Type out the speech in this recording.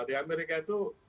di amerika itu